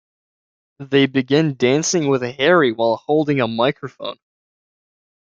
They begin dancing with Harry while holding a microphone.